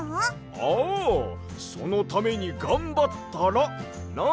ああそのためにがんばったらな！